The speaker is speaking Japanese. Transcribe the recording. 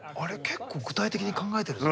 結構具体的に考えてるぞ。